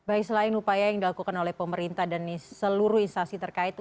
baik selain upaya yang dilakukan oleh pemerintah dan seluruh instasi terkait